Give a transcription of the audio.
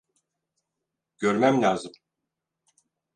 Görmem lazım.